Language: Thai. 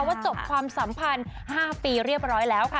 จบความสัมพันธ์๕ปีเรียบร้อยแล้วค่ะ